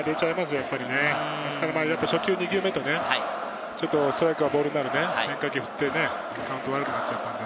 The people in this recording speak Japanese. よく初球、２球目とストライクがボールになる変化球を振ってカウントが悪くなっちゃったんで。